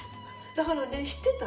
だからね知ってた？